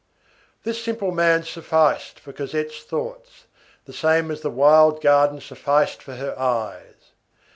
This simple man sufficed for Cosette's thought, the same as the wild garden sufficed for her eyes.